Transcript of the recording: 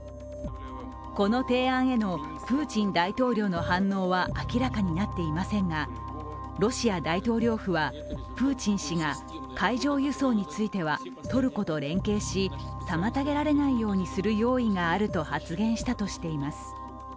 この提案へのプーチン大統領の反応は、明らかになっていませんがロシア大統領府はプーチン氏が海上輸送についてはトルコと連携し、妨げられないようにする用意があると発言したとしています。